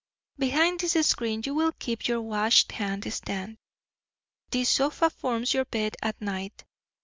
Behind this screen you will keep your washhand stand. This sofa forms your bed at night.